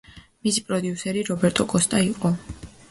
მისი პროდიუსერი რობერტო კოსტა იყო.